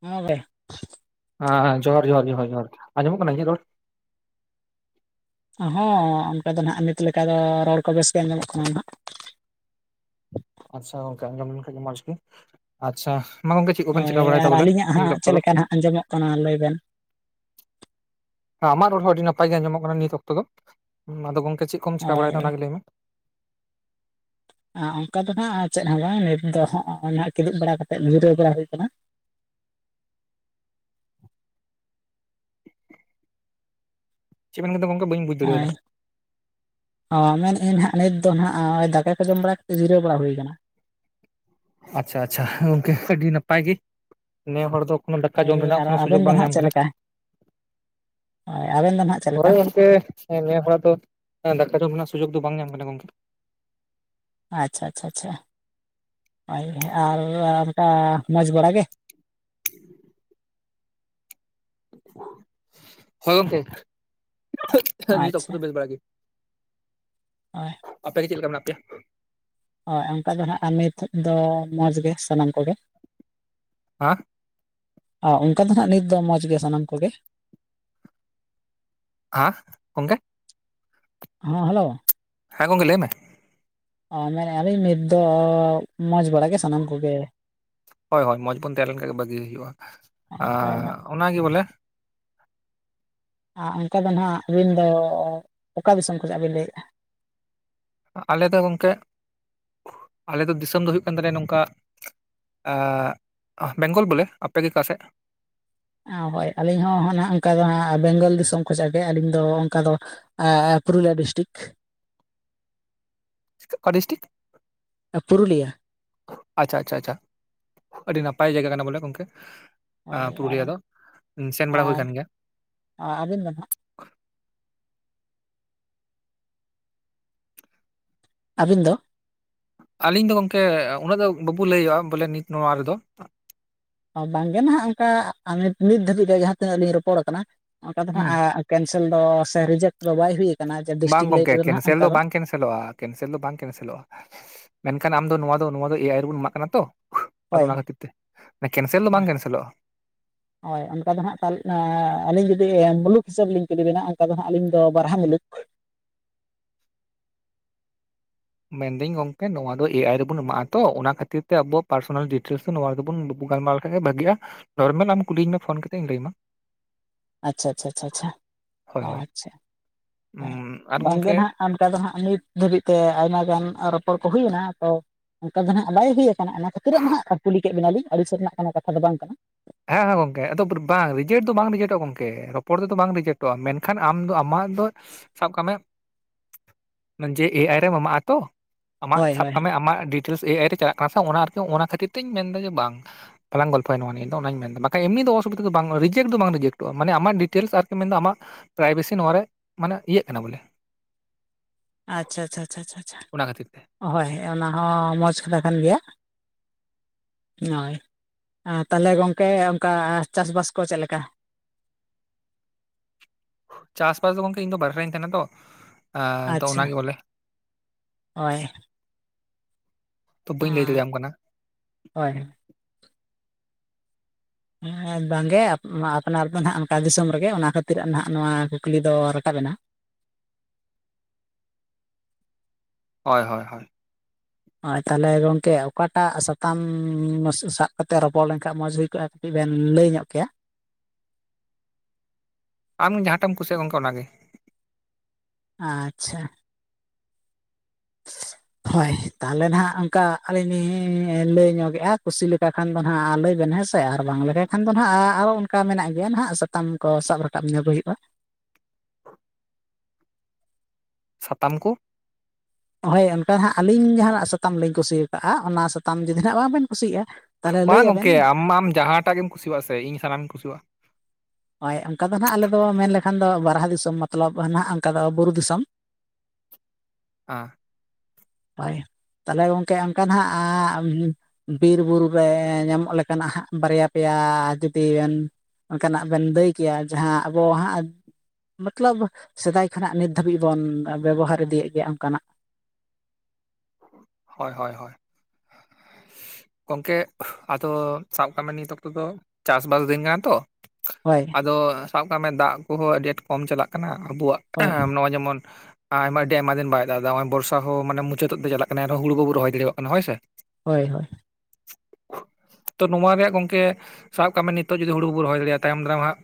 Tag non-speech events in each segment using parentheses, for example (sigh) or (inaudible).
ᱦᱚᱸ ᱵᱚᱭᱟ (unintelligible) ᱦᱟᱸ ᱡᱚᱦᱟᱨ ᱡᱚᱦᱟᱨ ᱡᱚᱦᱟᱨ ᱡᱚᱦᱟᱨ ᱟᱸᱡᱚᱢᱚᱜ ᱠᱟᱱᱟ ᱤᱧᱟᱹᱜ ᱨᱚᱲ ᱦᱚᱸ ᱚᱱᱠᱟ ᱫᱚ ᱱᱟᱜ ᱱᱤᱛ ᱞᱮᱠᱟ ᱫᱚ ᱨᱚᱲ ᱠᱚ ᱵᱮᱥ ᱜᱮ ᱟᱸᱡᱚᱢᱚᱜ ᱠᱟᱱᱟ ᱦᱟᱸᱜ ᱟᱪᱪᱷᱟ ᱜᱚᱝᱠᱮ ᱟᱸᱡᱚᱢ ᱞᱮᱱᱠᱟᱱᱡ ᱜᱮᱠᱤ ᱟᱪᱪᱷᱟ ᱢᱟ ᱜᱚᱝᱠᱮ ᱪᱮᱫ ᱠᱚᱵᱮᱱ ᱦᱳᱭ ᱪᱮᱠᱟ ᱟᱨ ᱵᱟᱲᱟᱭᱮᱫᱟ ᱵᱚᱞᱮ ᱟᱹᱞᱤᱧᱟᱜ ᱦᱟᱸᱜ ᱱᱤᱛ ᱪᱮᱫ ᱚᱠᱛᱚ ᱫᱚ᱾ ᱞᱮᱠᱟ ᱱᱟᱦᱟᱜ ᱟᱸᱡᱚᱢᱚᱜ ᱠᱟᱱᱟ ᱞᱟᱹᱭ ᱵᱮᱱ ᱟᱢᱟᱜ ᱨᱚᱲ ᱦᱚᱸ ᱟᱹᱰᱤ ᱱᱟᱯᱟᱭ ᱜᱮ ᱟᱸᱡᱚᱜ ᱠᱟᱱᱟ ᱱᱤᱛ ᱚᱠᱛᱚ ᱫᱚ ᱟᱫᱚ ᱜᱚᱝᱠᱮ ᱪᱮᱫ ᱠᱚᱢ ᱪᱮᱠᱟ ᱦᱳᱭ ᱵᱟᱲᱟᱭᱮᱫᱟ ᱚᱱᱟᱜ ᱜᱮ ᱞᱟᱹᱭᱢ ᱢᱮ? ᱚᱱᱠᱟ ᱫᱚ ᱱᱟᱦᱟᱜ ᱪᱮᱫ ᱦᱚᱸ ᱵᱟᱝ ᱱᱤᱛ ᱫᱚ ᱦᱚᱸᱜᱼᱚᱭ ᱱᱟᱦᱟᱜ ᱠᱤᱫᱩᱵ ᱵᱟᱲᱟ ᱠᱟᱛᱮᱫ ᱧᱤᱨᱟᱹᱣ ᱵᱟᱲᱟ ᱦᱩᱭᱠᱟᱱᱟ᱾ ᱪᱮᱫ ᱢᱮᱱᱮᱫᱟ ᱜᱚᱢᱠᱮ ᱵᱟᱹᱧ ᱵᱩᱡᱽ ᱦᱳᱭ ᱫᱟᱲᱮᱣᱟᱫᱟ᱾ ᱚ ᱢᱮᱱᱮᱫ ᱟᱹᱧ ᱦᱟᱸᱜ ᱱᱤᱛ ᱫᱚ ᱱᱟᱦᱟᱜ ᱫᱟᱠᱟ ᱠᱚ ᱡᱚᱢ ᱵᱟᱲᱟᱛᱮᱫ ᱡᱤᱨᱟᱹ ᱵᱟᱲᱟ ᱦᱩᱭᱟᱱᱟ᱾ ᱟᱪᱪᱷᱟ ᱟᱪᱪᱷᱟ ᱜᱚᱝᱠᱮ ᱟᱹᱰᱤ ᱱᱟᱯᱟᱭ ᱜᱮ᱾ ᱱᱤᱭᱟᱹ ᱦᱚᱲ ᱫᱚ ᱠᱳᱱᱳ ᱫᱟᱠᱟ ᱦᱳᱭ ᱡᱚᱢ ᱨᱮᱱᱟᱜ ᱟᱨ ᱠᱳᱱᱳ ᱟᱵᱮᱱ ᱥᱩᱡᱳᱜ ᱫᱚ ᱵᱟᱝ ᱧᱟᱢ ᱠᱟᱱᱟ᱾ ᱦᱳ ᱟᱵᱮᱱ ᱫᱚ ᱱᱟᱦᱟᱜ ᱪᱟᱞ ᱦᱳᱭ ᱜᱚᱢᱠᱮ᱾ ᱦᱮᱸ ᱱᱤᱭᱟᱹ ᱦᱚᱲᱟᱜ ᱫᱚ ᱫᱟᱠᱟ ᱡᱚᱢ ᱨᱮᱱᱟᱜ ᱥᱩᱡᱳᱜ ᱫᱚ ᱵᱟᱝ ᱧᱟᱢ ᱠᱟᱱᱟ ᱜᱚᱝᱠᱮ᱾ ᱟᱪᱪᱷᱟ ᱟᱪᱪᱷᱟ ᱪᱪᱷᱟ ᱦᱳᱭ ᱟᱨ ᱚᱱᱠᱟ ᱢᱚᱡᱽ ᱵᱟᱲᱟ ᱜᱮ? ᱦᱩᱭ ᱜᱚᱢᱠᱮ ᱱᱤᱛ ᱚᱠᱛᱚ ᱟᱪᱪᱷᱟ ᱫᱚ ᱵᱮᱥ ᱵᱟᱲᱟ ᱜᱮ᱾ ᱦᱳᱭ᱾ ᱟᱯᱮ ᱜᱮ ᱪᱮᱫ ᱞᱮᱠᱟ ᱢᱮᱱᱟᱜ ᱯᱮᱭᱟ? ᱦᱚᱭ ᱚᱱᱠᱟ ᱫᱚ ᱱᱟᱦᱟᱜ ᱟᱨ ᱱᱤᱛ ᱫᱚ ᱢᱚᱡᱽ ᱜᱮ ᱥᱟᱱᱟᱢ ᱠᱚᱜᱮ᱾ ᱦᱮᱸ᱾ ᱚ ᱚᱱᱠᱟ ᱫᱚ ᱱᱟᱜ ᱱᱤᱛ ᱫᱚ ᱢᱚᱡᱽ ᱜᱮ ᱥᱟᱱᱟᱢ ᱠᱚᱜᱮ᱾ ᱟᱜ ᱜᱚᱢᱠᱮ ᱦᱮᱸ ᱦᱮᱞᱳ᱾ ᱦᱮᱸ ᱜᱚᱢᱠᱮ ᱞᱟᱹᱭ ᱢᱮ᱾ ᱚ ᱢᱮᱱᱮᱫᱼᱟ ᱞᱤᱧ ᱱᱤᱛ ᱫᱚ ᱢᱚᱡᱽ ᱵᱟᱲᱟ ᱜᱮ ᱥᱟᱱᱟᱢ ᱠᱚᱜᱮ᱾ ᱦᱚᱭ ᱦᱚᱭ ᱢᱚᱸᱡᱽ ᱵᱚᱱ ᱛᱟᱦᱮᱸ ᱞᱮᱱᱠᱷᱟᱱ ᱵᱷᱟᱹᱜᱤ ᱦᱩᱭᱩᱜᱼᱟ ᱟ ᱦᱳᱭ ᱱᱟᱜ, ᱚᱱᱟᱜᱮ ᱵᱚᱞᱮ᱾ ᱟᱨ ᱚᱱᱠᱟ ᱫᱚ ᱱᱟᱦᱟᱜ ᱟᱹᱵᱤᱱ ᱫᱚ ᱚᱠᱟ ᱫᱤᱥᱚᱢ ᱠᱷᱚᱱᱟᱜ ᱵᱤᱱ ᱞᱟᱹᱭᱮᱫᱼᱟ? ᱟᱞᱮ ᱫᱚ ᱜᱚᱢᱠᱮ ᱟᱞᱮ ᱫᱚ ᱫᱤᱥᱚᱢ ᱫᱚ ᱦᱩᱭᱩᱜ ᱠᱟᱱ ᱛᱟᱞᱮᱭᱟ ᱱᱚᱝᱠᱟ ᱟᱹᱜ ᱵᱮᱝᱜᱚᱞ ᱵᱚᱞᱮ, ᱟᱯᱮᱜᱮ ᱚᱠᱟ ᱥᱮᱫ? ᱦᱳᱭ ᱟᱹᱞᱤᱧ ᱦᱚᱸ ᱱᱟ ᱚᱱᱠᱟ ᱫᱚ ᱦᱟᱸᱜ ᱵᱮᱝᱜᱚᱞ ᱫᱤᱥᱚᱢ ᱠᱷᱚᱱᱟᱜ ᱜᱮ ᱟᱹᱞᱤᱧ ᱫᱚ ᱚᱱᱠᱟ ᱫᱚ ᱯᱩᱨᱩᱞᱤᱭᱟᱹ ᱰᱤᱥᱴᱤᱠ᱾ ᱚᱠᱟ ᱰᱤᱥᱴᱤᱠ? ᱟᱹ ᱯᱩᱨᱩᱞᱤᱭᱟᱹ᱾ ᱟᱪᱷᱟ ᱟᱪᱷᱟ ᱟᱪᱷᱟ ᱟᱹᱰᱤ ᱱᱟᱯᱟᱭ ᱡᱟᱭᱜᱟ ᱠᱟᱱᱟ ᱵᱚᱞᱮ ᱜᱚᱝᱠᱮ᱾ ᱦᱳᱭ ᱟᱨ ᱯᱩᱨᱩᱞᱤᱭᱟᱹ ᱫᱚ ᱥᱮᱱ ᱵᱟᱲᱟ ᱦᱩᱭ ᱠᱟᱱ ᱜᱮᱭᱟ᱾ ᱟᱨ ᱟᱹᱵᱤᱱ ᱫᱚ ᱱᱟ ᱦᱟᱸᱜ? ᱟᱹᱵᱤᱱ ᱫᱚ ᱟᱞᱤᱧ ᱫᱚ ᱜᱚᱝᱠᱮ ᱩᱱᱟᱹᱜ ᱫᱚ ᱵᱟᱵᱚ ᱞᱟᱹᱭᱟᱹᱜᱼᱟ ᱵᱚᱞᱮ ᱱᱤᱛ ᱱᱚᱣᱟ ᱨᱮᱫᱚ᱾ ᱵᱟᱝᱜᱮ ᱱᱟᱜ ᱚᱱᱠᱟ ᱱᱤᱛ ᱫᱷᱟᱹᱵᱤᱡ ᱨᱮ ᱡᱟᱦᱟᱸ ᱛᱤᱱᱟᱹᱜ ᱞᱤᱧ ᱨᱚᱯᱚᱲ ᱠᱟᱱᱟ ᱚᱱᱠᱟ ᱫᱚ ᱦᱩᱸ ᱦᱟᱸᱜ ᱠᱮᱱᱥᱮᱞ ᱫᱚ ᱥᱮ ᱨᱤᱡᱮᱠᱴ ᱫᱚ ᱵᱟᱭ ᱦᱩᱭᱩᱜ ᱵᱟᱝ ᱜᱚᱝᱠᱮ ᱠᱮᱱᱥᱮᱞ ᱫᱚ ᱵᱟᱝ ᱠᱮᱱᱥᱮᱞᱚᱜᱼᱟ᱾ ᱠᱮᱱᱥᱮᱞ ᱫᱚ ᱵᱟᱝ ᱠᱮᱱᱥᱮᱞᱚᱜᱼᱟ, ᱢᱮᱱᱠᱷᱟᱱ ᱟᱢ ᱫᱚ ᱱᱚᱣᱟ ᱫᱚ ᱱᱚᱣᱟ ᱫᱚ ᱮ ᱟᱭ ᱨᱮᱵᱚᱱ ᱮᱢᱟᱜ ᱠᱟᱱᱟ ᱛᱚ, ᱟᱫᱚ ᱦᱳᱭ ᱚᱱᱟ ᱠᱷᱟᱹᱛᱤᱨ ᱛᱮ ᱠᱮᱱᱥᱮᱞ ᱫᱚ ᱵᱟᱝ ᱠᱮᱱᱥᱮᱞᱚᱜᱼᱟ᱾ ᱦᱚᱭ ᱚᱱᱠᱟ ᱫᱚ ᱦᱟᱸᱜ ᱟᱹᱞᱤᱧ ᱡᱩᱫᱤ ᱢᱩᱞᱩᱠ ᱦᱤᱥᱟᱹᱵᱽ ᱞᱤᱧ ᱠᱩᱞᱤ ᱵᱮᱤᱱᱟ ᱚᱱᱠᱟ ᱫᱚ ᱦᱟᱸᱜ ᱟᱹᱞᱤᱧ ᱫᱚ ᱵᱟᱨᱦᱟ ᱢᱩᱞᱩᱠ᱾ ᱢᱮᱱᱫᱟᱹᱧ ᱜᱚᱝᱠᱮ ᱱᱚᱣᱟ ᱫᱚ ᱮᱟᱭ ᱨᱮᱵᱩᱱ ᱮᱢᱟᱜᱼᱟ ᱛᱚ ᱚᱱᱟ ᱠᱷᱟᱹᱛᱤᱨ ᱛᱮ ᱟᱵᱚᱣᱟᱜ ᱯᱟᱨᱥᱚᱱᱟᱞ ᱰᱤᱴᱮᱞᱥ ᱱᱚᱣᱟ ᱜᱮᱵᱚᱱ ᱜᱟᱞᱢᱟᱨ ᱞᱮᱠᱷᱟᱱᱡ ᱵᱷᱟᱜᱤᱜᱼᱟ, ᱱᱚᱨᱢᱮᱞ ᱟᱢ ᱠᱩᱞᱤᱧ ᱢᱮ ᱯᱷᱳᱱ ᱠᱟᱛᱮᱜ ᱤᱧ ᱞᱟᱹᱭᱟᱢᱟ᱾ ᱟᱪᱷᱟ ᱪᱪᱷᱟ ᱪᱷᱟᱷᱟ ᱦᱳᱭ ᱚ ᱦᱳᱭ ᱟᱪᱷᱟ ᱦ ᱩᱸ ᱟᱨ ᱵᱟᱝᱜᱮ ᱜᱚᱝᱠᱮ ᱱᱟᱦᱟᱜ ᱚᱱᱠᱟ ᱫᱚ ᱦᱟᱜ ᱱᱤᱛ ᱫᱷᱟᱹᱵᱤᱡ ᱛᱮ ᱟᱭᱢᱟ ᱜᱟᱱ ᱨᱚᱯᱚᱲ ᱠᱚ ᱦᱩᱭᱱᱟ ᱛᱚ ᱚᱱᱠᱟ ᱫᱚ ᱱᱟᱜ ᱵᱟᱭ ᱦᱩᱭ ᱚᱱᱟ ᱠᱷᱟᱹᱛᱤᱨᱟᱜ ᱢᱟ ᱦᱟᱜ ᱠᱩ ᱠᱩᱞᱤ ᱠᱮᱫ ᱵᱮᱱᱟᱞᱤᱧ ᱟᱹᱲᱤᱥᱚᱜ ᱥᱮᱫ ᱨᱮᱱᱟᱜ ᱠᱚᱱᱳ ᱠᱟᱛᱷᱟ ᱫᱚ ᱵᱟᱝ ᱠᱟᱱᱟ᱾ ᱦᱮᱸ ᱦᱮᱸ ᱜᱚᱢᱠᱮ ᱟᱫᱚ ᱵᱟᱝ ᱨᱮᱡᱮᱴ ᱫᱚ ᱵᱟᱝ ᱨᱮᱡᱮᱠᱴᱚᱜᱼᱟ ᱜᱚᱢᱠᱮ ᱨᱚᱯᱚᱲ ᱛᱮᱫᱚ ᱵᱟᱝ ᱨᱮᱤᱡᱮᱠᱴᱚᱜᱼᱟ ᱢᱮᱱᱠᱷᱟᱱ ᱟᱢ ᱫᱚ ᱟᱢᱟᱜ ᱟᱢ ᱫᱚ ᱥᱟᱵ ᱠᱟᱜ ᱢᱮ ᱡᱮ ᱮᱟᱭ ᱨᱮ ᱮᱢᱟᱜᱼᱟ ᱛᱚ, ᱟᱢᱟᱜ ᱦᱳᱭ ᱥᱟᱵ ᱦᱳᱭ ᱠᱟᱜ ᱢᱮ ᱟᱢᱟᱜ ᱰᱤ ᱴᱮᱞᱥ ᱮᱟᱭ ᱨᱮ ᱪᱟᱞᱟᱜ ᱠᱟᱱᱟ ᱥᱮ ᱚᱱᱟ ᱟᱨᱤ ᱚᱱᱟ ᱠᱷᱟᱹᱛᱤᱨ ᱛᱮᱧ ᱢᱮᱱ ᱮᱫᱟ ᱡᱮ ᱵᱟᱝᱞᱟᱝ ᱜᱚᱞᱯᱚ ᱱᱚᱣᱟ ᱚᱱᱟᱧ ᱢᱮᱱᱫᱟ ᱵᱟᱠᱷᱟᱱ ᱮᱢᱱᱤ ᱫᱚ ᱚᱥᱩᱵᱤᱫᱟ ᱫᱚ ᱵᱟᱝ ᱨᱤᱡᱮᱠᱴ ᱫᱚ ᱵᱟᱝ ᱨᱤᱡᱮᱠᱴᱚᱜᱼᱟ ᱢᱟᱱᱮ ᱟᱢᱟᱜ ᱰᱤᱴᱮᱞᱥ ᱟᱨᱠᱤ ᱢᱮᱱᱫᱟ ᱟᱢᱟᱜ ᱼᱼ ᱯᱨᱟᱭᱵᱮᱥᱤ ᱱᱚᱣᱟ ᱨᱮ ᱢᱟᱱᱮ ᱤᱭᱟᱹᱜ ᱠᱟᱱᱟ ᱵᱚᱞᱮ ᱼᱼ ᱟᱪᱪᱷᱟ ᱟᱪᱪᱷᱟ ᱟᱪᱪᱷᱟ ᱟᱪᱪᱷᱟ ᱟᱪᱪᱷᱟ ᱛᱮ ᱦᱚᱭ ᱚᱱᱟ ᱦᱚᱸ ᱢᱚᱡᱽ ᱠᱟᱛᱷᱟ ᱠᱟᱱ ᱜᱮᱭᱟ ᱼᱼ ᱦᱚᱭ ᱛᱟᱦᱚᱞᱮ ᱜᱚᱝᱠᱮ ᱚᱱᱠᱟ ᱪᱟᱥᱵᱟᱥ ᱠᱚ ᱪᱮᱫ ᱞᱮᱠᱟ? ᱪᱟᱥᱵᱟᱥ ᱫᱚ ᱜᱚᱢᱠᱮ ᱤᱧ ᱫᱚ ᱵᱟᱦᱨᱮ ᱨᱮᱧ ᱛᱟᱦᱮᱱᱟ ᱛᱚ ᱾ ᱮᱸ ᱛᱚ ᱟᱪᱪᱷᱟ ᱚᱱᱟ ᱜᱮ ᱵᱚᱞᱮ ᱼᱼ ᱦᱳᱭ ᱛᱚ ᱵᱟᱹᱧ ᱞᱟᱹᱭ ᱫᱟᱲᱮᱭᱟᱢ ᱠᱟᱱᱟ ᱾ ᱦᱚᱭ ᱾ ᱦᱮᱸ ᱵᱟᱝᱜᱮ ᱟᱯᱱᱟᱨ ᱫᱚ ᱱᱟᱦᱟᱜ ᱚᱱᱠᱟ ᱫᱤᱥᱚᱢ ᱨᱮᱜᱮ ᱚᱱᱟ ᱠᱷᱟᱹᱛᱤᱨ ᱱᱟᱦᱟᱜ ᱱᱚᱣᱟ ᱠᱩᱠᱞᱤ ᱫᱚ ᱨᱟᱠᱟᱵ ᱮᱱᱟ ᱾ ᱦᱚᱭ ᱦᱚᱭ ᱦᱚᱭ ᱾ ᱦᱚᱭ ᱛᱟᱦᱚᱞᱮ ᱜᱚᱝᱠᱮ ᱚᱠᱟᱴᱟᱜ ᱥᱟᱛᱟᱢ ᱥᱟᱵ ᱠᱟᱛᱮᱫ ᱨᱚᱯᱚᱲ ᱞᱮᱱᱠᱷᱟᱡ ᱢᱚᱡᱽ ᱦᱩᱭ ᱠᱚᱜᱼᱟ? ᱠᱟᱹᱴᱤᱡ ᱵᱮᱱ ᱞᱟᱹᱭ ᱧᱚᱜ ᱠᱮᱭᱟ ᱾ ᱟᱢ ᱡᱟᱦᱟᱸᱴᱟᱜ ᱮᱢ ᱠᱩᱥᱤᱭᱟᱜ ᱜᱚᱢᱠᱮ ᱚᱱᱟᱜᱮ ᱾ ᱟᱪᱪᱷᱟ ᱾ ᱦᱚᱭ ᱛᱟᱦᱚᱞᱮ ᱱᱟᱦᱟᱜ ᱚᱱᱠᱟ ᱟᱹᱞᱤᱧ ᱞᱤᱧ ᱞᱟᱹᱭ ᱧᱚᱜᱮᱫᱼᱟ ᱠᱩᱥᱤ ᱞᱮᱠᱟ ᱠᱷᱟᱱ ᱫᱚ ᱱᱟᱦᱟᱜ ᱞᱟᱹᱭ ᱵᱮᱱ ᱦᱮᱸ ᱥᱮ ᱾ ᱟᱨ ᱵᱟᱝ ᱞᱮᱠᱟ ᱠᱷᱟᱱ ᱫᱚ ᱱᱟᱦᱟᱜ ᱟᱨᱦᱚᱸ ᱚᱱᱠᱟ ᱢᱮᱱᱟᱜ ᱜᱮᱭᱟ ᱱᱟᱦᱟᱜ ᱥᱟᱛᱟᱢ ᱠᱚ ᱥᱟᱵ ᱨᱟᱠᱟᱵ ᱧᱚᱜ ᱦᱩᱭᱩᱜᱼᱟ ᱾ ᱥᱟᱛᱟᱢ ᱠᱚ ᱾ ᱦᱳᱭ ᱚᱱᱠᱟ ᱦᱟᱸᱜ ᱟᱹᱞᱤᱧ ᱡᱟᱦᱟᱱᱟᱜ ᱥᱟᱛᱟᱢ ᱞᱤᱧ ᱠᱩᱥᱤ ᱠᱟᱜᱼᱟ ᱚᱱᱟ ᱥᱟᱛᱟᱢ ᱡᱩᱫᱤ ᱱᱟᱦᱟᱜ ᱵᱟᱝ ᱵᱤᱱ ᱠᱩᱥᱤᱭᱟᱜᱼᱟ ᱛᱟᱦᱚᱞᱮ ᱞᱟᱹᱭ ᱵᱟᱝ ᱟᱵᱮᱱ ᱜᱚᱝᱠᱮ ᱟᱢ ᱡᱟᱦᱟᱸᱴᱟᱜ ᱜᱮᱢ ᱠᱩᱥᱤᱣᱟᱜᱼᱟ ᱥᱮ ᱤᱧ ᱥᱟᱱᱟᱢ ᱤᱧ ᱠᱩᱥᱤᱣᱟᱜᱼᱟ ᱾ ᱦᱳᱭ ᱚᱱᱠᱟ ᱫᱚ ᱱᱟᱦᱟᱜ ᱟᱞᱮ ᱫᱚ ᱢᱮᱱ ᱞᱮᱠᱷᱟᱱ ᱫᱚ ᱵᱟᱨᱦᱟ ᱫᱤᱥᱚᱢ ᱢᱚᱛᱞᱚᱵ ᱱᱟᱦᱟᱜ ᱚᱱᱠᱟ ᱫᱚ ᱵᱩᱨᱩ ᱫᱤᱥᱚᱢ ᱾ ᱟᱸ ᱾ ᱦᱳᱭ ᱛᱟᱦᱚᱞᱮ ᱜᱚᱢᱠᱮ ᱚᱱᱠᱟ ᱱᱟᱦᱟᱜ ᱼᱼ ᱵᱤᱨ ᱵᱩᱨᱩ ᱨᱮ ᱧᱟᱢᱚᱜ ᱞᱮᱠᱟᱱᱟᱜ ᱦᱟᱸᱜ ᱵᱟᱨᱭᱟ ᱯᱮᱭᱟ ᱡᱩᱫᱤ ᱵᱮᱱ ᱼᱼ ᱚᱱᱠᱟᱱᱟᱜ ᱵᱮᱱ ᱞᱟᱹᱭ ᱠᱮᱭᱟ ᱡᱟᱦᱟᱸ ᱟᱵᱚ ᱦᱟᱸᱜ ᱼᱼ ᱢᱚᱛᱞᱚᱵ ᱥᱮᱫᱟᱭ ᱠᱷᱚᱱᱟᱜ ᱱᱤᱛ ᱫᱷᱟᱹᱵᱤᱡ ᱵᱚᱱ ᱵᱮᱵᱚᱦᱟᱨ ᱤᱫᱤᱭᱮᱫ ᱜᱮᱭᱟ ᱚᱱᱠᱟᱱᱟᱜ ᱾ ᱦᱚᱭ ᱦᱚᱭ ᱦᱚᱭ ᱾ ᱜᱚᱝᱠᱮ ᱟᱫᱚ ᱥᱟᱵ ᱠᱟᱜ ᱢᱮ ᱱᱤᱛ ᱚᱠᱛᱚ ᱫᱚ ᱪᱟᱥᱵᱟᱥ ᱫᱤᱱ ᱠᱟᱱᱟ ᱛᱚ ᱦᱳᱭ ᱾ ᱟᱫᱚ ᱥᱟᱵ ᱠᱟᱜ ᱢᱮ ᱫᱟᱜ ᱠᱚᱦᱚᱸ ᱟᱹᱰᱤ ᱟᱸᱴ ᱠᱚᱢ ᱪᱟᱞᱟᱜ ᱠᱟᱱᱟ ᱟᱵᱚᱣᱟᱜ ᱾ ᱦᱳᱭ ᱮᱸᱦ ᱱᱚᱣᱟ ᱡᱮᱢᱚᱱ ᱟᱭᱢᱟ ᱟᱹᱰᱤ ᱟᱭᱢᱟ ᱫᱤᱱ ᱵᱟᱭ ᱫᱟᱜ ᱮᱫᱟ ᱱᱚᱜᱼᱚᱭ ᱱᱚᱣᱟ ᱵᱚᱨᱥᱟ ᱦᱚᱸ ᱢᱟᱱᱮ ᱢᱩᱪᱟᱹᱫ ᱼᱼ (unintelligible) ᱪᱟᱞᱟᱜ ᱠᱟᱱᱟ ᱮᱱ ᱨᱮᱦᱚᱸ ᱦᱩᱲᱩ ᱵᱟᱵᱚ ᱨᱚᱦᱚᱭ ᱫᱟᱲᱮᱭᱟᱜ ᱠᱟᱱᱟ ᱦᱳᱭ ᱥᱮ ᱾ ᱦᱳᱭ ᱦᱳᱭ ᱾ (unintelligible) ᱛᱚ ᱱᱚᱣᱟ ᱜᱮ ᱦᱟᱸᱜ ᱜᱚᱝᱠᱮ ᱥᱟᱵ ᱠᱟᱜ ᱢᱮ ᱱᱤᱛᱚᱜ ᱡᱩᱫᱤ ᱦᱩᱲᱩ ᱵᱟᱵᱚᱱ ᱨᱚᱦᱚᱭ ᱫᱟᱲᱮᱭᱟᱜᱼᱟ ᱛᱟᱭᱚᱢ ᱫᱟᱨᱟᱢ ᱦᱟᱸᱜᱼᱼ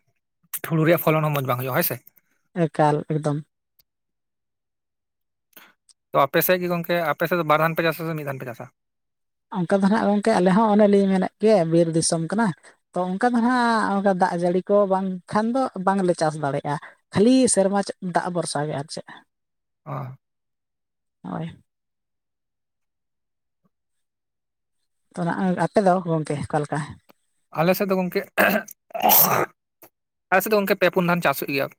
ᱦᱩᱲᱩ ᱨᱮᱭᱟᱜ ᱯᱷᱚᱞᱚᱱ ᱦᱚᱸ ᱢᱚᱸᱡᱽ ᱵᱟᱝ ᱦᱩᱭᱩᱜᱼᱟ ᱦᱚᱭ ᱥᱮ ᱾ ᱮᱠᱟᱞ ᱮᱠᱫᱚᱢ ᱾ ᱛᱚ ᱟᱯᱮ ᱥᱮᱡ ᱜᱮ ᱜᱚᱝᱠᱮ ᱟᱯᱮ ᱥᱮᱫ ᱫᱚ ᱵᱟᱨ ᱫᱷᱟᱱ ᱯᱮ ᱪᱟᱥᱼᱟ ᱥᱮ ᱢᱤᱫ ᱫᱷᱟᱱ ᱯᱮ ᱪᱟᱥᱼᱟ? ᱚᱱᱠᱟ ᱫᱚ ᱱᱟᱦᱟᱜ ᱜᱚᱝᱠᱮ ᱟᱞᱮ ᱦᱚᱸ ᱚᱱᱮ ᱞᱤᱧ ᱢᱮᱱᱮᱫ ᱜᱮᱭᱟ ᱵᱤᱨ ᱫᱤᱥᱚᱢ ᱠᱟᱱᱟ ᱾ ᱛᱚ ᱚᱱᱠᱟ ᱫᱚ ᱦᱟᱸᱜ ᱚᱱᱠᱟ ᱫᱟᱜ ᱡᱟᱹᱲᱤ ᱠᱚ ᱵᱟᱝᱠᱷᱟᱱ ᱫᱚ ᱵᱟᱝ ᱞᱮ ᱪᱟᱥ ᱫᱟᱲᱮᱭᱟᱜᱼᱟ ᱾ ᱠᱷᱟᱹᱞᱤ ᱥᱮᱨᱢᱟ ᱪᱮᱫ ᱫᱟᱜ ᱵᱷᱚᱨᱥᱟ ᱜᱮ ᱟᱨ ᱪᱮᱫ ᱼᱼ ᱚ ᱾ ᱦᱳᱭ ᱾ ᱛᱚ ᱱᱟᱦᱟᱜ ᱟᱯᱮ ᱫᱚ ᱜᱚᱝᱠᱮ ᱚᱠᱟ ᱞᱮᱠᱟ? ᱟᱞᱮ ᱥᱮᱫ ᱫᱚ ᱜᱚᱝᱠᱮ (unintelligible) ᱟᱞᱮ ᱥᱮᱫ ᱫᱚ ᱜᱚᱝᱠᱮ ᱯᱮ ᱯᱩᱱ ᱫᱷᱟᱣ ᱪᱟᱥ ᱦᱩᱭᱩᱜ ᱜᱮᱭᱟ ᱾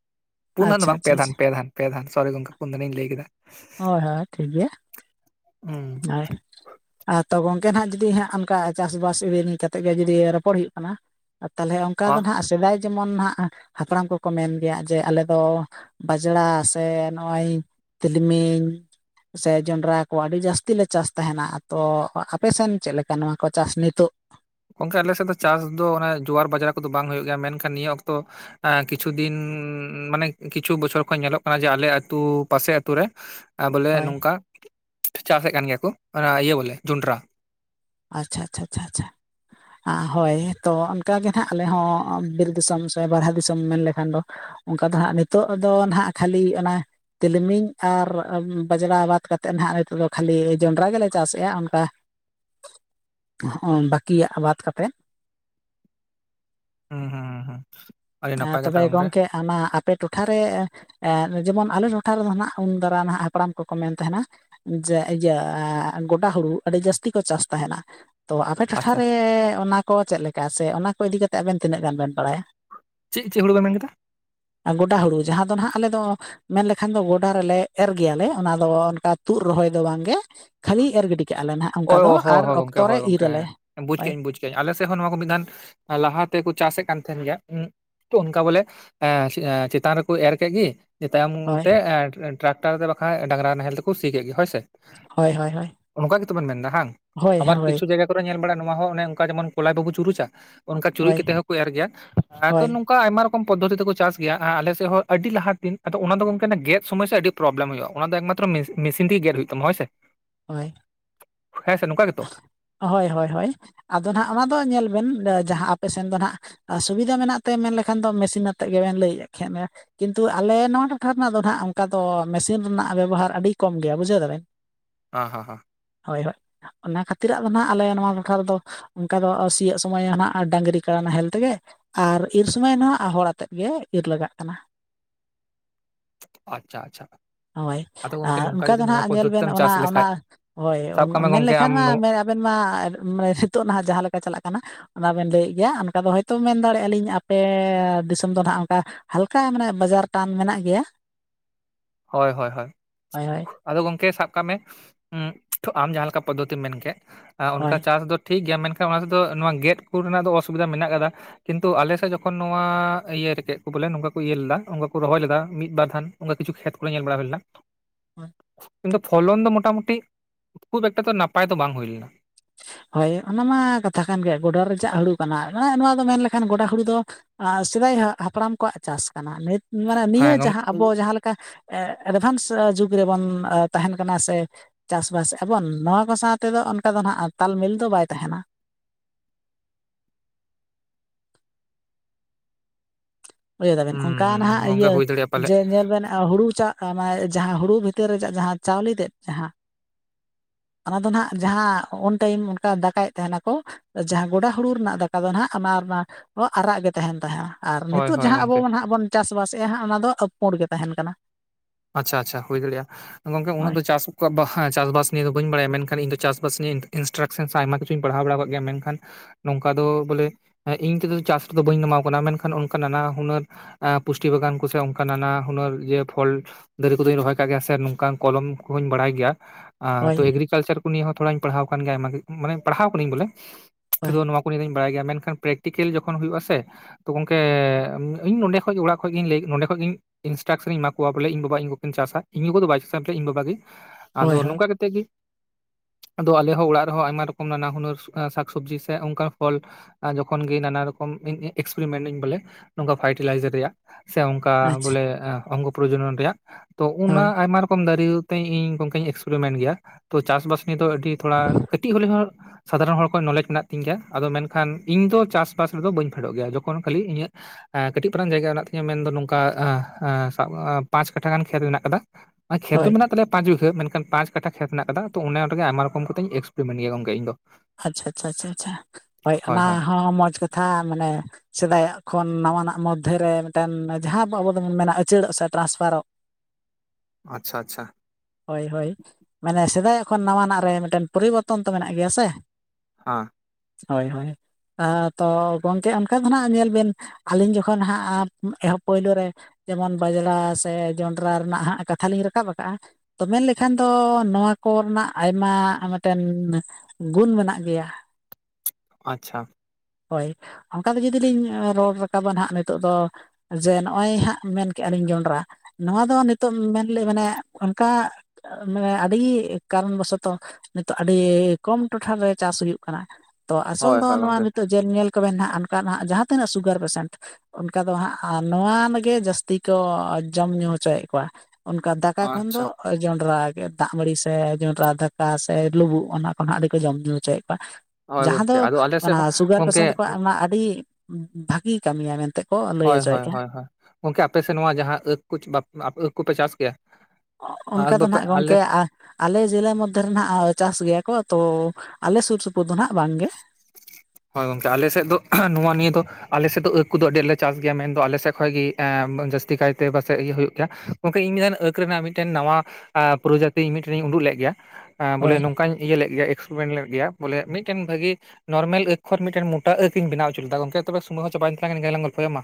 ᱯᱩᱱ ᱫᱷᱟᱱ ᱫᱚ ᱟᱪᱪᱷᱟ ᱵᱟᱝ ᱯᱮ ᱟᱪᱪᱷᱟ ᱫᱷᱟᱱ ᱟᱪᱪᱷᱟ ᱯᱮ ᱫᱷᱟᱱ ᱯᱮ ᱫᱷᱟᱱ ᱥᱚᱨᱤ ᱜᱚᱝᱠᱮ ᱯᱩᱱ ᱫᱷᱟᱱᱤᱧ ᱞᱟᱹᱭ ᱠᱮᱫᱟ ᱾ ᱦᱳᱭ ᱦᱳᱭ ᱴᱷᱤᱠ ᱜᱮᱭᱟ ᱾ ᱩᱸᱻ ᱦᱚᱭ ᱾ ᱟᱨ ᱛᱚ ᱜᱚᱝᱠᱮ ᱱᱟᱦᱟᱜ ᱡᱩᱫᱤ ᱦᱟᱸᱜ ᱚᱱᱠᱟ ᱪᱟᱥᱵᱟᱥ ᱤᱫᱤ ᱠᱟᱛᱮᱫ ᱜᱮ ᱡᱩᱫᱤ ᱨᱚᱯᱚᱲ ᱦᱩᱭᱩᱜ ᱠᱟᱱᱟ ᱼᱼ ᱛᱟᱦᱚᱞᱮ ᱚᱱᱠᱟ ᱚ ᱫᱚ ᱱᱟᱦᱟᱜ ᱥᱮᱫᱟᱭ ᱡᱮᱢᱚᱱ ᱱᱟᱦᱟᱜ ᱦᱟᱯᱲᱟᱢ ᱠᱚᱠᱚ ᱢᱮᱱ ᱜᱮᱭᱟ ᱡᱮ ᱟᱞᱮ ᱫᱚ ᱼᱼ ᱵᱟᱡᱽᱲᱟ ᱥᱮ ᱱᱚᱜᱼᱚᱭ ᱛᱤᱞᱢᱤᱧ ᱥᱮ ᱡᱚᱱᱰᱨᱟ ᱠᱚ ᱟᱹᱰᱤ ᱡᱟᱥ ᱼᱼ ᱛᱤ ᱞᱮ ᱪᱟᱥ ᱛᱟᱦᱮᱱᱟ ᱛᱚ ᱟᱯᱮ ᱥᱮᱱ ᱪᱮᱫ ᱞᱮᱠᱟ ᱱᱚᱣᱟ ᱠᱚ ᱪᱟᱥ ᱱᱤᱛᱚᱜ? ᱜᱚᱢᱠᱮ ᱟᱞᱮ ᱥᱮᱫ ᱫᱚ ᱪᱟᱥ ᱫᱚ ᱚᱱᱮ ᱡᱳᱣᱟᱨ ᱵᱟᱡᱲᱟ ᱠᱚᱫᱚ ᱵᱟᱝ ᱦᱩᱭᱩᱜ ᱜᱮᱭᱟ ᱢᱮᱱᱠᱷᱟᱱ ᱱᱤᱭᱟᱹ ᱚᱠᱛᱚ ᱮᱸ ᱠᱤᱪᱷᱩ ᱫᱤᱱ ᱢᱟᱱᱮ ᱠᱤᱪᱷᱩ ᱵᱚᱪᱷᱚᱨ ᱠᱷᱚᱱ ᱧᱮᱞᱚᱜ ᱠᱟᱱᱟ ᱡᱮ ᱟᱞᱮ ᱟᱹᱛᱩ ᱯᱟᱥᱮ ᱟᱛᱩ ᱨᱮ ᱟᱸ ᱵᱚᱞᱮ ᱦᱳᱭ ᱱᱚᱝᱠᱟ ᱪᱟᱥᱮᱫ ᱠᱟᱱ ᱜᱮᱭᱟ ᱠᱚ ᱚᱱᱟ ᱤᱭᱟᱹ ᱵᱚᱞᱮ ᱡᱚᱱᱰᱨᱟ ᱟᱪᱪᱷᱟ ᱟᱪᱪᱷᱟ ᱟᱪᱪᱷᱟ ᱟᱪᱪᱷᱟ ᱦᱳᱭ ᱛᱚ ᱚᱱᱠᱟᱜᱮ ᱱᱟᱷᱟᱜ ᱟᱞᱮ ᱦᱚᱸ ᱵᱤᱨ ᱫᱤᱥᱚᱢ ᱥᱮ ᱵᱟᱨᱦᱟ ᱫᱤᱥᱚᱢ ᱢᱮᱱ ᱞᱮᱠᱷᱟᱱ ᱫᱚ ᱚᱱᱠᱟ ᱫᱚ ᱦᱟᱸᱜ ᱱᱤᱛᱚᱜ ᱫᱚ ᱱᱷᱟᱜ ᱠᱷᱟᱹᱞᱤ ᱚᱱᱟ ᱛᱤᱞᱢᱤᱧ ᱟᱨ ᱵᱟᱡᱽᱲᱟ ᱵᱟᱫ ᱠᱟᱛᱮᱫ ᱱᱟᱦᱜ ᱱᱤᱛᱚᱜ ᱫᱚ ᱠᱷᱟᱹᱞᱤ ᱡᱚᱱᱰᱨᱟ ᱜᱮᱞᱮ ᱪᱟᱥᱮᱜᱼᱟ ᱚᱱᱠᱟ ᱦᱚᱸ‌ᱵᱟᱹᱠᱤᱭᱟᱜ ᱵᱟᱫ ᱠᱟᱛᱮ ᱦᱩᱸ ᱦᱩᱸ ᱦᱩᱸ ᱟᱹᱰᱤ ᱟᱸ ᱱᱟᱯᱟᱭ ᱠᱟᱛᱷᱟ ᱛᱚᱵᱮ ᱜᱚᱝᱠᱮ ᱚᱱᱟ ᱟᱯᱮ ᱴᱚᱴᱷᱟᱨᱮ ᱮ ᱡᱮᱢᱚᱱ ᱟᱞᱮ ᱴᱚᱴᱷᱟ ᱨᱮᱫᱚ ᱱᱷᱟᱜ ᱩᱱ ᱫᱟᱨᱟ ᱱᱷᱟᱜ ᱦᱟᱯᱲᱟᱢ ᱠᱚᱠᱚ ᱢᱮᱱ ᱛᱟᱦᱮᱱᱟ ᱡᱮ ᱤᱭᱟᱹ ᱜᱳᱰᱟ ᱦᱩᱲᱩ ᱟᱹᱰᱤ ᱡᱟᱹᱥᱛᱤ ᱠᱚ ᱪᱟᱥ ᱛᱟᱦᱮᱱᱟ ᱛᱚ ᱟᱯᱮ ᱟᱪᱪᱷᱟ ᱴᱚᱴᱷᱟᱨᱮ ᱚᱱᱟ ᱠᱚ ᱪᱮᱫ ᱞᱮᱠᱟ ᱥᱮ ᱚᱱᱟ ᱠᱚ ᱤᱫᱤ ᱠᱟᱛᱮ ᱟᱵᱮᱱ ᱛᱤᱱᱟᱹᱜ ᱜᱟᱱ ᱵᱮᱱ ᱵᱟᱲᱟᱭᱟ ᱪᱮᱫ ᱪᱮᱫ ᱦᱩᱲᱩ ᱵᱤᱱ ᱢᱮᱱ ᱠᱮᱫᱟ ᱜᱚᱰᱟ ᱦᱩᱲᱩ ᱡᱟᱦᱟᱸ ᱫᱚ ᱱᱷᱟᱜ ᱟᱞᱮ ᱫᱚ ᱢᱮᱱᱞᱠᱷᱟᱱ ᱫᱚ ᱜᱚᱰᱟ ᱨᱮᱞᱮ ᱮᱨ ᱜᱮᱭᱟᱞᱮ ᱚᱱᱟ ᱫᱚ ᱚᱱᱠᱟ ᱛᱩᱫ ᱨᱚᱦᱚᱭ ᱫᱚ ᱵᱟᱝᱜᱮ ᱠᱷᱟᱹᱞᱤ ᱮᱨ ᱜᱤᱰᱤ ᱠᱟᱜᱼᱟ ᱞᱮᱱᱟᱦᱟᱜ ᱚ ᱦᱳ ᱦᱳ ᱦᱳᱭ ᱜᱚᱢᱠᱮ ᱦᱳᱭ ᱜᱚᱢᱠᱮ ᱦᱮ ᱵᱩᱡ ᱦᱳᱭ ᱠᱮᱫᱟᱹᱧ ᱵᱩᱡ ᱟᱞᱮᱥᱮᱫ ᱦᱚ ᱱᱚᱣᱟ ᱠᱚ ᱢᱤᱫᱷᱟᱱ ᱞᱟᱦᱟ ᱛᱮᱠᱚ ᱪᱟᱥᱮᱫ ᱠᱟᱱ ᱛᱟᱦᱮᱱ ᱜᱮᱭᱟ ᱚᱱᱠᱟ ᱵᱚᱞᱮ ᱮ ᱪᱮᱛᱟᱱ ᱨᱮᱠᱚ ᱮᱨ ᱠᱮᱫ ᱜᱮ ᱛᱟᱭᱚᱢ ᱦᱳᱭ ᱛᱮ ᱴᱨᱟᱠᱴᱟᱨ ᱵᱟᱠᱷᱟᱱ ᱰᱟᱝᱨᱟ ᱱᱟᱦᱮᱞ ᱛᱮᱠᱚ ᱥᱤ ᱠᱮᱫ ᱜᱮ ᱦᱳᱭ ᱥᱮ ᱦᱳᱭ ᱦᱳᱭ ᱦᱳᱭ ᱚᱱᱠᱟ ᱜᱮᱛᱚᱵᱮᱱ ᱢᱮᱱᱫᱟ ᱵᱟᱝ ᱦᱳᱭ ᱟᱵᱟᱨ ᱦᱳᱭ ᱠᱤᱪᱷᱩ ᱡᱟᱭᱜᱟ ᱠᱚᱨᱮ ᱧᱮᱞ ᱵᱟᱲᱟᱜᱼᱟ ᱱᱚᱣᱟ ᱦᱚᱸ ᱚᱱᱮ ᱚᱱᱠᱟ ᱡᱮᱢᱚᱱ ᱠᱚᱞᱟᱭ ᱵᱟᱹᱵᱩ ᱪᱩᱨᱩᱡᱟ ᱚᱱᱠᱟ ᱪᱩᱨᱩᱡ ᱦᱳᱭ ᱠᱟᱛᱮᱜ ᱦᱚᱸᱠᱚ ᱮᱨ ᱜᱮᱭᱟ ᱛᱚ ᱦᱳᱭ ᱱᱚᱝᱠᱟ ᱟᱭᱢᱟ ᱨᱚᱠᱚᱢ ᱠᱚᱢ ᱯᱚᱫᱽᱫᱷᱚᱛᱤ ᱛᱮᱠᱚ ᱪᱟᱥ ᱜᱮᱭᱟ ᱟᱞᱮᱥᱮᱫ ᱦᱚᱸ ᱟᱹᱰᱤ ᱞᱟᱦᱟ ᱫᱤᱱ ᱟᱫᱚ ᱚᱱᱟ ᱫᱚ ᱜᱚᱝᱠᱮ ᱜᱮᱫ ᱥᱚᱢᱚᱭ ᱥᱮ ᱟᱹᱰᱤ ᱯᱨᱚᱵᱞᱮᱢ ᱦᱩᱭᱩᱜᱼᱟ ᱚᱱᱟ ᱮᱠᱢᱟᱛᱨᱚ ᱢᱮᱥᱤᱱ ᱢᱮᱥᱤᱱ ᱛᱮᱜᱤ ᱜᱮᱫ ᱦᱩᱭᱩᱜ ᱛᱟᱢᱟ ᱦᱳᱭᱥᱮ ᱦᱳᱭ ᱦᱮᱸ ᱥᱮ ᱱᱚᱝᱠᱟ ᱜᱮᱛᱚ ᱦᱳᱭ ᱦᱳᱭ ᱦᱳᱭ ᱟᱫᱚ ᱱᱟᱜ ᱚᱱᱟ ᱫᱚ ᱧᱮᱞ ᱵᱮᱱ ᱡᱟᱦᱟᱸ ᱟᱯᱮ ᱥᱮᱱ ᱫᱚ ᱱᱟᱜ ᱟᱨ ᱥᱩᱵᱤᱫᱟ ᱢᱮᱱᱟᱜ ᱛᱮ ᱢᱮᱱ ᱞᱮᱠᱷᱟᱱ ᱫᱚ ᱢᱮᱥᱤᱱ ᱟᱛᱮᱫ ᱜᱮᱵᱮᱱ ᱞᱟᱹᱭᱮᱫ ᱠᱷᱮ ᱢᱮ ᱠᱤᱱᱛᱩ ᱟᱞᱮ ᱱᱚᱣᱟ ᱴᱚᱴᱷᱟ ᱨᱮᱱᱟᱜ ᱫᱚ ᱱᱟᱜ ᱚᱱᱠᱟ ᱫᱚ ᱢᱮᱥᱤᱱ ᱨᱮᱱᱟᱜ ᱵᱮᱵᱚᱦᱟᱨ ᱟᱹᱰᱤ ᱠᱚᱢ ᱜᱮᱭᱟ ᱵᱩᱡᱷᱟᱹᱣ ᱫᱟᱵᱮᱱ (unintelligible) ᱦᱳᱭ ᱦᱳᱭ ᱚᱱᱟ ᱠᱷᱟᱹᱛᱤᱨᱟᱜ ᱫᱚ ᱱᱟᱜ ᱟᱞᱮ ᱱᱚᱣᱟ ᱴᱚᱴᱷᱟ ᱨᱮᱫᱚ ᱚᱱᱠᱟ ᱫᱚ ᱥᱤᱭᱳᱜ ᱥᱚᱢᱚᱭ ᱦᱟᱸᱜ ᱰᱟᱝᱨᱤ ᱠᱟᱬᱟ ᱱᱟᱦᱮᱞ ᱛᱮᱜᱮ ᱟᱨ ᱤᱨ ᱥᱚᱢᱚᱭ ᱱᱟᱜ ᱦᱚᱲ ᱟᱛᱮᱫ ᱜᱮ ᱤᱨᱻ ᱞᱟᱜᱟᱜ ᱠᱟᱱᱟ ᱟᱪᱪᱷᱟ ᱟᱪᱪᱷᱟ ᱦᱳᱭ ᱟᱫᱚ ᱜᱚᱝᱠᱮ ᱟᱨ ᱱᱚᱝᱠᱟ ᱚᱱᱠᱟ ᱫᱚ ᱡᱩᱫᱤ ᱱᱚᱣᱟ ᱱᱟᱦᱟᱜ ᱧᱮᱞ ᱯᱚᱫᱽᱫᱷᱚᱛᱤ ᱵᱮᱱ ᱛᱮᱢ ᱚᱱᱟ ᱪᱟᱥ ᱚᱱᱟ ᱞᱮᱠᱷᱟᱡ ᱦᱳᱭ ᱥᱟᱵ ᱠᱟᱜ ᱢᱮ ᱜᱚᱝᱠᱮ ᱢᱮᱱᱞᱠᱷᱟᱱ ᱟᱢ ᱢᱟ ᱱᱚ ᱟᱵᱮᱱ ᱢᱟ ᱢᱟᱱᱮ ᱱᱤᱛᱚᱜ ᱱᱟᱦᱟᱜ ᱡᱟᱦᱟᱸ ᱞᱮᱠᱟ ᱪᱟᱞᱟᱜ ᱠᱟᱱᱟ ᱚᱱᱟ ᱵᱮᱱ ᱞᱟᱹᱭᱮᱫ ᱜᱮᱭᱟ ᱚᱱᱠᱟ ᱫᱚ ᱦᱳᱭᱛᱳ ᱢᱮᱱ ᱫᱟᱲᱮᱭᱟᱜᱼᱟ ᱞᱤᱧ ᱟᱯᱮ ᱫᱤᱥᱚᱢ ᱫᱚ ᱦᱟᱜ ᱚᱱᱠᱟ ᱦᱟᱞᱠᱟ ᱢᱟᱱᱮ ᱵᱟᱡᱟᱨ ᱴᱟᱱ ᱢᱮᱱᱟᱜ ᱜᱮᱭᱟ ᱦᱳᱭ ᱦᱳᱭ ᱦᱳᱭ ᱦᱳᱭ ᱦᱳᱭ ᱟᱫᱚ ᱜᱚᱝᱠᱮ ᱥᱟᱵ ᱠᱟᱜ ᱢᱮ ᱟᱢ ᱡᱟᱦᱟ ᱞᱮᱠᱟ ᱯᱚᱫᱽᱫᱷᱚᱛᱤᱢ ᱢᱮᱱ ᱠᱮᱫ ᱚᱱᱠᱟ ᱦᱳᱭ ᱪᱟᱥ ᱫᱚ ᱴᱷᱤᱠ ᱜᱮᱭᱟ ᱢᱮᱱᱠᱷᱟᱱ ᱚᱱᱟ ᱛᱮᱫᱚ ᱱᱚᱣᱟ ᱜᱮᱫ ᱠᱚ ᱨᱮᱱᱟᱜ ᱫᱚ ᱚᱥᱩᱵᱤᱫᱟ ᱢᱮᱱᱟᱜ ᱟᱠᱟᱫᱟ ᱠᱤᱱᱛᱩ ᱟᱞᱮᱥᱮᱫ ᱡᱚᱠᱷᱚᱱ ᱱᱚᱣᱟ ᱤᱭᱟᱹ ᱨᱮ ᱠᱮᱫ ᱠᱚ ᱵᱚᱞᱮ ᱱᱚᱝᱠᱟ ᱠᱚ ᱤᱭᱟᱹ ᱞᱮᱫᱟ ᱱᱚᱝᱠᱟ ᱠᱚ ᱨᱚᱦᱚᱭ ᱞᱮᱫᱟ ᱢᱤᱫ ᱵᱟᱨ ᱫᱷᱟᱱ ᱚᱱᱠᱟ ᱠᱤᱪᱷᱩ ᱠᱷᱮᱛ ᱠᱚᱨᱮ ᱧᱮᱞ ᱵᱟᱲᱟ ᱦᱩᱭ ᱞᱮᱱᱟ ᱠᱤᱱᱛᱩ ᱯᱷᱚᱞᱚᱱ ᱫᱚ ᱢᱚᱴᱟ ᱢᱩᱴᱤ ᱠᱷᱩᱵ ᱮᱠᱴᱟ ᱛᱚ ᱱᱟᱯᱟᱭ ᱛᱚ ᱵᱟᱝ ᱦᱩᱭ ᱞᱮᱱᱟ ᱦᱳᱭ ᱚᱱᱟ ᱢᱟ ᱠᱟᱛᱷᱟ ᱠᱟᱱ ᱜᱮ ᱜᱚᱰᱟ ᱨᱮᱭᱟᱜ ᱦᱩᱲᱩ ᱠᱟᱱᱟ ᱢᱟᱱᱮ ᱱᱚᱣᱟ ᱫᱚ ᱢᱮᱱ ᱞᱮᱠᱷᱟᱱ ᱜᱚᱰᱟ ᱦᱩᱲᱩ ᱫᱚ ᱥᱮᱫᱟᱭ ᱦᱟᱯᱲᱟᱢ ᱠᱚᱣᱟᱜ ᱪᱟᱥ ᱠᱟᱱᱟ ᱱᱤᱛᱟᱜ ᱢᱟᱱᱮ ᱱᱤᱭᱟᱹ ᱦᱮᱸ ᱜᱚᱝ ᱡᱟᱦᱟᱸ ᱟᱵᱚ ᱡᱟᱦᱟᱸ ᱞᱮᱠᱟ ᱮᱰᱵᱷᱟᱱᱥ ᱡᱩᱜᱽ ᱨᱮᱵᱚᱱ ᱛᱟᱦᱮᱱ ᱠᱟᱱᱟ ᱥᱮ ᱪᱟᱥᱵᱟᱥ ᱮᱟᱵᱚᱱ ᱱᱚᱣᱟ ᱠᱚ ᱥᱟᱶ ᱛᱮᱫᱚ ᱚᱱᱠᱟ ᱫᱚ ᱱᱟᱦᱟᱜ ᱛᱟᱞᱢᱤᱞ ᱫᱚ ᱵᱟᱭ ᱛᱟᱦᱮᱱᱟ ᱤᱭᱟᱹ ᱫᱟᱵᱮᱱ ᱦᱩᱸ ᱚᱱᱠᱟ ᱱᱟᱦᱟᱜ ᱦᱩᱸ ᱜᱚᱝᱠᱮ ᱤᱭᱟᱹ ᱦᱩᱭ ᱫᱟᱲᱮᱭᱟᱜᱼᱟ ᱯᱟᱞᱮᱫ ᱡᱮ ᱧᱮᱞ ᱵᱮᱱ ᱾ ᱦᱩᱲᱩ ᱪᱟᱜ ᱢᱟᱱᱮ ᱡᱟᱦᱟᱸ ᱦᱩᱲᱩ ᱵᱷᱤᱛᱤᱨ ᱨᱮᱱᱟᱜ ᱡᱟᱦᱟᱸ ᱪᱟᱣᱞᱮ ᱛᱮᱫ ᱡᱟᱦᱟᱸ ᱾ ᱚᱱᱟ ᱫᱚ ᱱᱟᱜ ᱡᱟᱦᱟᱸ ᱩᱱ ᱴᱟᱭᱤᱢ ᱚᱱᱠᱟ ᱫᱟᱠᱟᱭᱮᱫ ᱛᱟᱦᱮᱱᱟᱠᱚ ᱾ ᱡᱟᱦᱟᱸ ᱜᱚᱰᱟ ᱦᱩᱲᱩ ᱨᱮᱱᱟᱜ ᱫᱟᱠᱟ ᱫᱚ ᱱᱟᱦᱟᱜ ᱚᱱᱟ ᱢᱟ ᱟᱨᱟᱜ ᱜᱮ ᱛᱟᱦᱮᱱ ᱛᱟᱦᱮᱸᱫᱼᱟ ᱾ ᱟᱨ ᱦᱳᱭ ᱱᱤᱛᱚᱜ ᱦᱳᱭ ᱡᱟᱦᱟᱸ ᱜᱚᱝᱠᱮ ᱟᱵᱚᱵᱚᱱ ᱱᱟᱦᱟᱜ ᱵᱚᱱ ᱪᱟᱥᱵᱟᱥ ᱮᱫᱟ ᱦᱟᱸᱜ ᱚᱱᱟ ᱫᱚ ᱯᱩᱰ ᱜᱮ ᱛᱟᱸᱦᱮᱱ ᱠᱟᱱᱟ ᱾ ᱟᱪᱪᱷᱟ, ᱟᱪᱪᱷᱟ ᱦᱩᱭ ᱫᱟᱲᱮᱭᱟᱜᱼᱟ ᱜᱚᱝᱠᱮ ᱩᱱᱟᱹᱜ ᱫᱚ ᱪᱟᱥ ᱟᱠᱚᱣᱟᱜ ᱪᱟᱥᱵᱟᱥ ᱱᱤᱭ ᱫᱚ ᱵᱟᱹᱧ ᱵᱟᱲᱟᱭᱟ ᱢᱮᱱᱠᱷᱟᱱ ᱤᱧ ᱫᱚ ᱪᱟᱥᱵᱟᱥ ᱱᱤᱭᱮ ᱤᱱᱥᱨᱟᱠᱥᱮᱱᱥ ᱟᱭᱢᱟ ᱠᱤᱪᱷᱩᱧ ᱯᱟᱲᱦᱟᱣ ᱵᱟᱲᱟ ᱟᱠᱟᱫ ᱜᱮᱭᱟ ᱾ᱢᱮᱱᱠᱷᱟᱱ ᱱᱚᱝᱠᱟ ᱫᱚ ᱵᱚᱞᱮ ᱤᱧ ᱛᱮᱫᱚ ᱪᱟᱥ ᱨᱮᱫᱚ ᱵᱟᱹᱧ ᱱᱟᱢᱟᱣ ᱠᱟᱱᱟ ᱢᱮᱱᱠᱷᱟᱱ ᱚᱱᱠᱟ ᱱᱟᱱᱟ ᱦᱩᱱᱟᱹᱨ ᱯᱩᱥᱴᱤ ᱵᱟᱜᱟᱱ ᱠᱚᱥᱮ ᱚᱱᱠᱟ ᱱᱟᱱᱟ ᱦᱩᱱᱟᱹᱨ ᱡᱮ ᱯᱷᱚᱞ ᱾ ᱫᱟᱨᱮ ᱠᱚᱫᱚᱧ ᱨᱚᱦᱚᱭ ᱟᱠᱟᱜ ᱜᱮᱭᱟ ᱾ ᱦᱮᱸ ᱥᱮ ᱱᱚᱝᱠᱟᱱ ᱠᱚᱞᱚᱢ ᱠᱚᱦᱚᱧ ᱵᱟᱲᱟᱭ ᱜᱮᱭᱟ ᱦᱳᱭ ᱮᱜᱽᱨᱤᱠᱟᱞᱪᱟᱨ ᱩᱱᱤ ᱦᱚᱸ ᱛᱷᱚᱲᱟᱧ ᱯᱟᱲᱦᱟᱣ ᱟᱠᱟᱱ ᱜᱮᱭᱟ ᱟᱭᱢᱟ ᱫᱤᱱ ᱜᱮ ᱢᱟᱱᱮ ᱯᱟᱲᱦᱟᱣ ᱠᱟᱹᱱᱟᱹᱧ ᱵᱚᱞᱮ ᱦᱳᱭ ᱟᱫᱚ ᱱᱚᱣᱟ ᱠᱚ ᱱᱤᱭᱮ ᱵᱟᱲᱟᱭ ᱜᱮᱭᱟ ᱢᱮᱱᱠᱷᱟᱱ ᱯᱨᱮᱠᱴᱤᱠᱮᱞᱚ ᱡᱳᱠᱷᱚᱱ ᱦᱩᱭᱩᱜᱼᱟ ᱥᱮ ᱛᱚ ᱜᱚᱝᱠᱮ ᱤᱧ ᱱᱚᱰᱮ ᱠᱷᱚᱡᱽ ᱜᱮ ᱚᱲᱟᱜ ᱠᱷᱚᱡᱽ ᱜᱤᱧ ᱞᱟᱹᱭ ᱱᱚᱰᱮ ᱠᱷᱚᱡᱽ ᱜᱮ ᱤᱱᱥᱴᱨᱟᱠᱥᱚᱱᱤᱧ ᱮᱢᱟ ᱠᱚᱣᱟ ᱵᱚᱞᱮ ᱤᱧ ᱵᱟᱵᱟ ᱾ ᱤᱧᱵᱟ ᱤᱧᱜᱚ ᱠᱤᱱ ᱪᱟᱥᱼᱟ ᱤᱧ ᱜᱚᱜᱚ ᱫᱚ ᱵᱟᱭ ᱪᱟᱥᱼᱟ, ᱤᱧ ᱵᱟᱵᱟ ᱜᱮ ᱟᱫᱚ ᱦᱳᱭ ᱦᱳᱭ ᱱᱚᱝᱠᱟ ᱠᱟᱛᱮ ᱜᱮ ᱟᱫᱚ ᱟᱞᱮᱦᱚᱸ ᱚᱲᱟᱜ ᱨᱮᱦᱚᱸ ᱟᱭᱢᱟ ᱨᱚᱠᱚᱢ ᱱᱟᱱᱟ ᱦᱩᱱᱟᱹᱨ ᱥᱟᱠ ᱥᱚᱵᱽᱡᱤ ᱥᱮ ᱚᱱᱠᱟᱱ ᱯᱷᱚᱞ ᱟ ᱡᱚᱠᱷᱚᱱ ᱜᱮ ᱱᱟᱱᱟ ᱨᱚᱠᱚᱢ ᱤᱧ ᱮᱠᱥᱯᱮᱨᱤᱢᱮᱱᱴ ᱟᱹᱧ ᱵᱚᱞᱮ ᱱᱚᱝᱠᱟ ᱯᱷᱟᱨᱴᱤᱞᱟᱭᱡᱟᱨ ᱨᱮᱭᱟᱜ ᱥᱮ ᱚᱱᱠᱟ ᱟᱪᱪᱷᱟ ᱵᱚᱞᱮ ᱚᱝᱜᱚ ᱯᱨᱚᱡᱚᱱᱚᱱ ᱨᱮᱭᱟᱜ ᱛᱚ ᱦᱳᱭ ᱩᱱᱟᱜ ᱟᱭᱢᱟ ᱨᱚᱠᱚᱢ ᱫᱟᱨᱤ ᱟᱛᱮᱫ ᱤᱧ ᱜᱚᱝᱠᱮᱧ ᱮᱠᱥᱯᱮᱨᱤᱢᱮᱱᱴ ᱜᱮᱭᱟ ᱛᱚ ᱪᱟᱥᱵᱟᱥ ᱱᱮ ᱫᱚ ᱟᱹᱰᱤ ᱛᱷᱚᱲᱟ ᱠᱟᱹᱴᱤᱡ ᱦᱚᱞᱮ ᱦᱚᱸ ᱥᱟᱫᱷᱟᱨᱚᱱ ᱦᱚᱲ ᱠᱷᱚᱡᱽ ᱱᱚᱞᱮᱡᱽ ᱢᱮᱱᱟᱜ ᱛᱤᱧ ᱜᱮᱭᱟ ᱟᱫᱚ ᱢᱮᱱᱠᱷᱟᱱ ᱤᱧ ᱫᱚ ᱪᱟᱥᱵᱟᱥ ᱨᱮᱫᱚ ᱵᱟᱹᱧ ᱯᱷᱮᱰᱚᱜ ᱜᱮᱭᱟ ᱡᱚᱠᱷᱚᱱ ᱠᱷᱟᱹᱞᱤ ᱤᱧᱟᱹᱜ ᱾ ᱦᱮᱸ ᱠᱟᱹᱴᱤᱡ ᱯᱟᱨᱟᱝ ᱡᱟᱭᱜᱟ ᱢᱮᱱᱟᱜ ᱛᱤᱧᱟᱹ ᱢᱮᱱᱫᱚ ᱱᱚᱝᱠᱟ (unintelligible) ᱥᱟ-ᱯᱟᱸᱪᱽ ᱠᱟᱴᱷᱟ ᱜᱟᱱ ᱠᱷᱮᱛ ᱢᱮᱱᱟᱜ ᱟᱠᱟᱫᱟ ᱠᱷᱮᱛ ᱫᱚ ᱦᱳᱭ ᱢᱮᱱᱟᱜ ᱛᱟᱞᱮᱭᱟ ᱾ ᱯᱟᱸᱪᱽ ᱵᱤᱜᱷᱟᱹ ᱢᱮᱱᱠᱷᱟᱱ ᱯᱟᱸᱪᱽ ᱠᱟᱴᱷᱟ ᱠᱷᱮᱛ ᱢᱮᱱᱟᱜ ᱟᱠᱟᱫᱟ ᱛᱚ ᱚᱱᱮ ᱚᱸᱰᱮᱜᱮ ᱟᱭᱢᱟ ᱨᱚᱠᱚᱢ ᱠᱟᱛᱮᱧ ᱮᱠᱥᱯᱨᱤᱢᱮᱱᱴ ᱜᱮᱭᱟ ᱜᱚᱝᱠᱮ ᱤᱧ ᱫᱚ ᱟᱪᱪᱷᱟ, ᱪᱷᱟ, ᱪᱷᱟ, ᱦᱳᱭ ᱚᱱᱟ ᱦᱚᱸ ᱢᱚᱸᱡᱽ ᱠᱟᱛᱷᱟ ᱢᱟᱱᱮ ᱾ ᱥᱮᱫᱟᱭᱟᱜ ᱠᱷᱚᱱ ᱱᱟᱣᱟᱱᱟᱜ ᱢᱚᱫᱽᱫᱷᱮ ᱨᱮ ᱢᱤᱫᱴᱮᱱ ᱡᱟᱦᱟᱸ ᱟᱵᱚ ᱫᱚᱵᱚᱱ ᱢᱮᱱᱟ ᱩᱪᱟᱹᱲᱚᱜ ᱥᱮ ᱴᱨᱟᱱᱥᱯᱷᱟᱨᱚᱜ ᱟᱪᱪᱷᱟ, ᱟᱪᱪᱷᱟ ᱾ ᱦᱳᱭ ᱦᱳᱭ ᱢᱟᱱᱮ ᱥᱮᱫᱟᱭ ᱠᱷᱚᱱ ᱱᱟᱣᱟᱱᱟᱜ ᱨᱮ ᱢᱤᱫᱴᱮᱱ ᱯᱚᱨᱤᱵᱚᱨᱛᱚᱱ ᱛᱚ ᱢᱮᱱᱟᱜ ᱜᱮᱭᱟ ᱥᱮ ᱾ ᱦᱟᱸ ᱾ ᱦᱳᱭ ᱦᱳᱭ ᱾ ᱟᱦ ᱛᱚ ᱜᱚᱢᱠᱮ ᱚᱱᱠᱟ ᱫᱚ ᱱᱟᱦᱟᱜ ᱧᱮᱱ ᱵᱤᱱ ᱟᱹᱞᱤᱧ ᱡᱚᱠᱷᱚᱱ ᱦᱟᱸᱜ ᱮᱦᱚᱵ ᱯᱳᱭᱞᱳ ᱨᱮ ᱡᱮᱢᱚᱱ ᱵᱟᱡᱽᱲᱟ ᱥᱮ ᱡᱚᱱᱰᱨᱟ ᱨᱮᱱᱟᱜ ᱦᱟᱸᱜ ᱠᱟᱛᱷᱟᱞᱤᱧ ᱨᱟᱠᱟᱵ ᱟᱠᱟᱜ-ᱟ ᱾ ᱛᱚ ᱢᱮᱱ ᱞᱮᱠᱷᱟᱱ ᱫᱚ ᱱᱚᱣᱟ ᱠᱚᱨᱮᱱᱟᱜ ᱟᱭᱢᱟᱻᱻ ᱢᱤᱫᱴᱮᱱ ᱜᱩᱱ ᱢᱮᱱᱟᱜ ᱜᱮᱭᱟ, ᱟᱪᱪᱷᱟ ᱾ ᱦᱳᱭ ᱚᱱᱠᱟ ᱫᱚ ᱡᱩᱫᱤ ᱞᱤᱧ ᱨᱚᱲ ᱨᱟᱠᱟᱵᱟ ᱱᱟᱦᱟᱜ ᱱᱤᱛᱚᱜ ᱫᱚ ᱡᱮ ᱱᱚᱜ-ᱚᱭ ᱦᱟᱸᱜ ᱢᱮᱱ ᱠᱮᱜ-ᱟ ᱞᱤᱧ ᱡᱚᱸᱰᱚᱨᱟ ᱾ ᱱᱚᱣᱟ ᱫᱚ ᱱᱤᱛᱚᱜ ᱢᱮᱱ ᱞᱮ ᱢᱟᱱᱮ ᱚᱱᱠᱟ (unintelligible) ᱱᱚᱣᱟ ᱟᱹᱰᱤ ᱠᱟᱨᱚᱱ ᱵᱚᱥᱚᱛᱚ ᱱᱤᱛᱚᱜ ᱟᱹᱰᱤᱻᱻ ᱠᱚᱢ ᱾ ᱴᱚᱴᱷᱟ ᱨᱮ ᱪᱟᱥ ᱦᱳᱭᱳᱜ ᱠᱟᱱᱟ ᱛᱚ ᱟᱥᱚᱞ ᱦᱳᱭ ᱫᱚ ᱦᱳᱭ ᱱᱚᱣᱟ ᱜᱚᱝᱠᱮ ᱱᱤᱛ ᱡᱮ ᱧᱮᱞ ᱾ ᱛᱚᱵᱮ ᱱᱟᱜ ᱚᱱᱠᱟᱱᱟ ᱡᱟᱦᱟᱸ ᱛᱤᱱᱟᱹᱜ ᱥᱩᱜᱟᱨ ᱯᱮᱥᱮᱱᱴ ᱾ ᱚᱱᱠᱟ ᱫᱚ ᱦᱟᱸᱜ ᱱᱚᱣᱟ ᱨᱮᱜᱮ ᱡᱟᱹᱥᱛᱤ ᱠᱚ ᱡᱚᱢ ᱧᱩ ᱦᱚᱪᱚᱭᱮᱫ ᱠᱚᱣᱟ ᱾ ᱚᱱᱠᱟ ᱫᱟᱠᱟ ᱠᱷᱚᱱ ᱫᱚ ᱟᱪᱪᱷᱟ ᱡᱚᱸᱰᱚᱨᱟ ᱜᱮ ᱫᱟᱜ ᱢᱟᱹᱲᱤ ᱥᱮ ᱡᱚᱸᱰᱚᱨᱟ ᱫᱟᱠᱟ ᱥᱮ ᱞᱩᱵᱩᱜ ᱚᱱᱟ ᱠᱷᱚᱱ ᱟᱹᱰᱤ ᱠᱚ ᱡᱚᱢ ᱧᱩ ᱦᱚᱪᱚᱭᱮᱫ ᱠᱚᱣᱟ ᱦᱳᱭ ᱡᱟᱦᱟᱸ ᱜᱚᱝᱠᱮ ᱫᱚ ᱟᱫᱚ ᱟᱞᱮ ᱥᱮᱫ ᱚᱱᱟ ᱦᱚᱸ ᱥᱩᱜᱟᱨ ᱜᱚᱝᱠᱮ ᱯᱮᱥᱮᱱᱴ ᱠᱚᱣᱟᱜ ᱢᱟ ᱟᱹᱰᱤ ᱵᱷᱟᱜᱤᱭ ᱠᱟᱹᱢᱤᱭᱟ ᱢᱮᱱᱛᱮ ᱾ ᱦᱳᱭ ᱦᱳᱭ ᱦᱳᱭ ᱜᱚᱢᱠᱮ ᱟᱯᱮ ᱥᱮᱫ ᱱᱚᱣᱟ ᱡᱟᱦᱟᱸ ᱟᱸᱠᱽ ᱠᱚ ᱟᱸᱠᱽ ᱠᱚᱯᱮ ᱪᱟᱥ ᱜᱮᱭᱟ? ᱚᱜ ᱟᱹᱠ ᱚᱱᱠᱟ ᱫᱚ ᱫᱚᱯᱮ ᱱᱟᱦᱟᱜ ᱟᱞᱮ ᱜᱚᱝᱠᱮᱼᱟ ᱾ ᱟᱞᱮ ᱡᱮᱞᱟ ᱢᱚᱫᱫᱷᱮ ᱨᱮᱱᱟᱜ ᱦᱟᱸᱜ ᱪᱟᱥ ᱜᱮᱭᱟ ᱠᱚ ᱛᱚ ᱟᱞᱮ ᱥᱩᱨ ᱥᱩᱯᱩᱨ ᱫᱚ ᱱᱟᱜ ᱵᱟᱝᱜᱮ ᱾ ᱦᱳᱭ ᱜᱚᱝᱠᱮ ᱟᱞᱮᱥᱮᱫ ᱫᱚ ᱱᱚᱣᱟ ᱱᱤᱭᱟᱹ ᱫᱚ ᱟᱞᱮ ᱥᱮᱫ ᱫᱚ ᱟᱹᱠᱽ ᱠᱚᱫᱚ ᱟᱹᱰᱤᱞᱮ ᱪᱟᱥ ᱜᱮᱭᱟ ᱢᱮᱱᱫᱚ ᱟᱞᱮ ᱥᱮᱫ ᱠᱷᱚᱡᱽ ᱜᱮ ᱮᱻᱻ ᱡᱟᱹᱥᱛᱤ ᱠᱟᱭᱛᱮ ᱯᱟᱥᱮᱡ ᱤᱭᱟᱹ ᱦᱩᱭᱩᱜ ᱛᱟᱦᱮ ᱾ ᱜᱚᱢᱠᱮ ᱤᱧ ᱢᱤᱫᱟᱱ ᱟᱹᱠᱽ ᱨᱮᱱᱟᱜ ᱢᱤᱫᱴᱮᱱ ᱱᱟᱣᱟ ᱯᱨᱚᱡᱮᱠᱴ ᱢᱤᱫᱴᱮᱱ ᱤᱧ ᱩᱰᱩᱠ ᱞᱮᱫ ᱜᱮᱭᱟ ᱾ ᱟᱸᱦ ᱦᱳᱭ ᱵᱚᱞᱮ ᱱᱚᱝᱠᱟᱧ ᱤᱭᱟᱹ ᱞᱮᱫ ᱜᱮᱭᱟ ᱮᱠᱥᱯᱨᱤᱢᱮᱴ ᱞᱮᱫ ᱜᱮᱭᱟ ᱵᱚᱞᱮ ᱢᱤᱫᱴᱮᱱ ᱵᱷᱟᱹᱜᱤ ᱱᱚᱨᱢᱮᱞ ᱟᱹ ᱠᱷᱚᱱ ᱢᱤᱫᱮᱱ ᱢᱚᱴᱟ ᱟᱹᱠ ᱤᱧ ᱵᱮᱱᱟᱣ ᱩᱪᱩ ᱞᱮᱫᱟ ᱜᱚᱝᱠᱮ ᱛᱚᱵᱮ ᱥᱚᱢᱚᱭ ᱦᱚᱸ ᱪᱟᱵᱟᱭᱮᱱ ᱛᱟᱞᱟᱝᱟ ᱱᱤᱝᱠᱟᱜᱮᱞᱟᱝ ᱜᱚᱞᱯᱚᱭᱟ ᱢᱟ